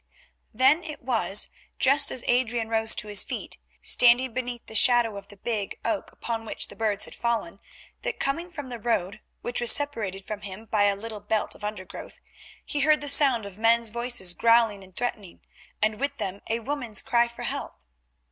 Then it was, just as Adrian rose to his feet, standing beneath the shadow of the big oak upon which the birds had fallen, that coming from the road, which was separated from him by a little belt of undergrowth, he heard the sound of men's voices growling and threatening, and with them a woman's cry for help.